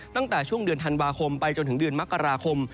ตั้งแต่ช่วงเดือนธันวาคมไปจนถึงเดือนมกราคม